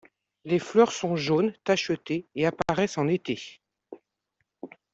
Les fleurs sont jaunes tachetées et apparaissent en été.